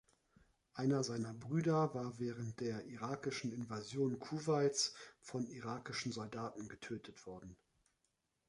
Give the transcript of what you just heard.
Einer seiner Brüder war während der irakischen Invasion Kuwaits von irakischen Soldaten getötet worden.